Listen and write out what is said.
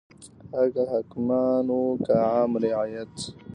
هغه که حاکمان وو که عام رعیت.